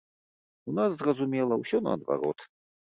У нас, зразумела, усё наадварот.